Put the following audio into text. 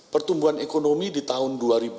pertumbuhan ekonomi di tahun dua ribu tujuh belas